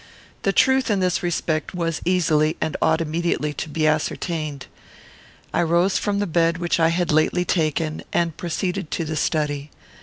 The truth, in this respect, was easily and ought immediately to be ascertained. I rose from the bed which I had lately taken, and proceeded to the study.